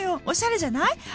おしゃれじゃない？